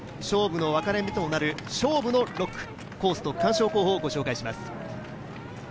勝負の分かれ目となる勝負の６区、コースと区間賞候補をご紹介します。